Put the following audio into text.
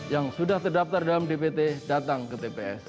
yang sudah terdaftar dalam dpt datang ke tps